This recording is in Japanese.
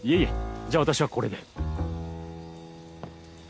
じゃあ私はこれで。